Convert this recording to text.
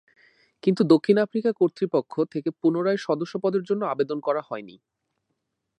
কিন্তু দক্ষিণ আফ্রিকা কর্তৃপক্ষ থেকে পুনরায় সদস্যপদের জন্য আবেদন করা হয়নি।